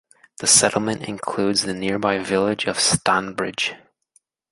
The settlement includes the nearby village of Stanbridge.